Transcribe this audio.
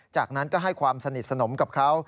จากนั้นก็ให้ความสนิทสนมกับเขา